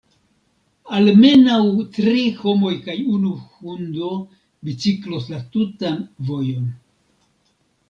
Almenaŭ tri homoj kaj unu hundo biciklos la tutan vojon.